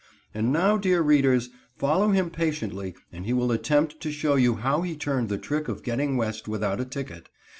And now, dear readers, follow him patiently and he will attempt to show you how he turned the trick of getting West without a ticket.